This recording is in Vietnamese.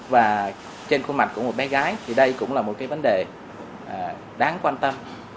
và trên khuôn mặt của một bé gái thì đây cũng là một cái vấn đề đáng quan tâm